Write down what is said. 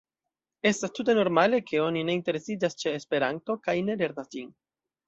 Estas tute normale, ke oni ne interesiĝas ĉe Esperanto kaj ne lernas ĝin.